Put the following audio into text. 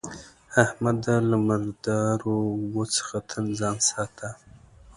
احمده! له مردارو اوبو څخه تل ځان ساته.